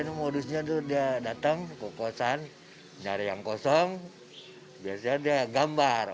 ini modusnya itu dia datang ke kosan nyari yang kosong biasanya dia gambar